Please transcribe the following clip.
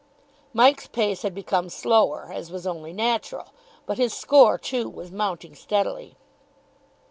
Mike's pace had become slower, as was only natural, but his score, too, was mounting steadily.